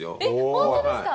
本当ですか？